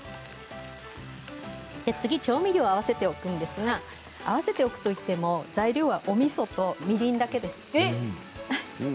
次、調味料を合わせておくんですが合わせておくといっても材料は、おみそとみりんだけです。